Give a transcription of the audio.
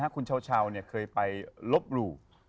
คุณเชาเนี่ยเคยไปลบหลู